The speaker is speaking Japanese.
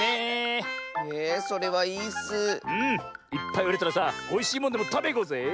いっぱいうれたらさおいしいものでもたべにいこうぜ！